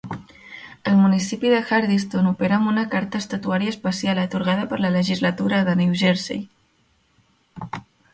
El municipi de Hardyston opera amb una carta estatutària especial atorgada per la legislatura de New Jersey.